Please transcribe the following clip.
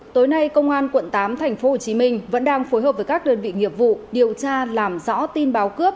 tối nay công an quận tám tp hcm vẫn đang phối hợp với các đơn vị nghiệp vụ điều tra làm rõ tin báo cướp